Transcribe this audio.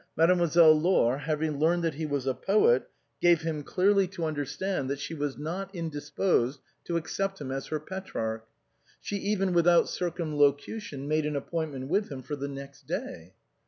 Mademoiselle Laure, having learned that he was a poet, gave him clearly to understand that she was not indisposed to accept him as her Petrarch. She even, without circumlocution, made an appointment with him for the next day.